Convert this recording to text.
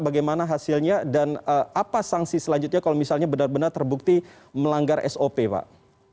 bagaimana hasilnya dan apa sanksi selanjutnya kalau misalnya benar benar terbukti melanggar sop pak